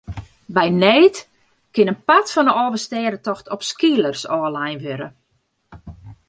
By need kin in part fan de Alvestêdetocht op skeelers ôflein wurde.